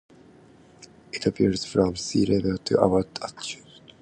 It appears from sea level to about altitude.